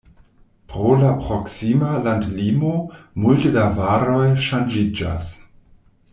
Pro la proksima landlimo multe da varoj ŝanĝiĝas.